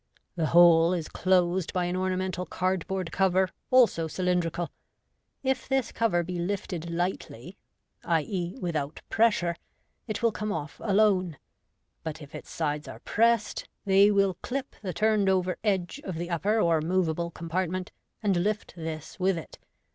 The whole is closed by an ornamental cardboard cover, also cylindrical. If this cover be lifted lightly — i.e., without pressure— it will come off alone j but if its sides are pressed, they will clip the turned over edge of the upper or moveable compartment, and lift this with it.